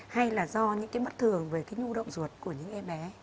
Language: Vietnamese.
hay là do những cái bất thường về cái nhu động ruột của những em bé